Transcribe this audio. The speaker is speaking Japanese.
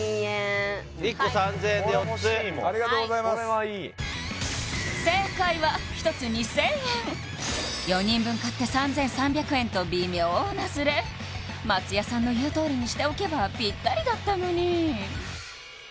３０００円ありがとうございます正解は１つ２０００円４人分買って３３００円と微妙なズレ松也さんの言うとおりにしておけばピッタリだったのに！